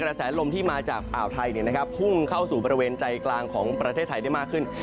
แสลมที่มาจากอ่าวไทยพุ่งเข้าสู่บริเวณใจกลางของประเทศไทยได้มากขึ้น